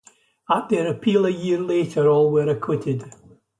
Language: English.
At their appeal a year later all were acquitted.